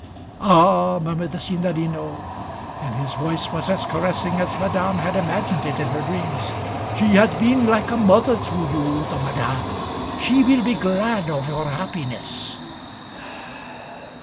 "Ah," murmured the Signorino, and his voice was as caressing as Madame had imagined it in her dreams, "she has been like a mother to you, the Madame, she will be glad of your happiness."